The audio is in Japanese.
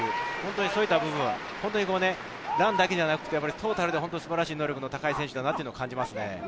そういった部分、ランだけではなく、トータルで素晴らしい能力の高い選手だと感じますね。